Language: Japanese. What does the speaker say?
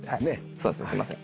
そうなんですよすいません。